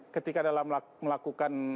ketika dalam melakukan